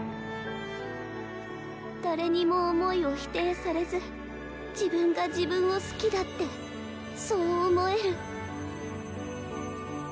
誰にも思いを否定されず自分が自分を好きだってそう思える。